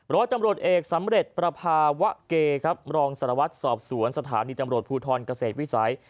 ร้อยตำรวจเอกสำเร็จประภาวะเกครับรองสารวัตรสอบสวนสถานีตำรวจภูทรเกษตรวิสัย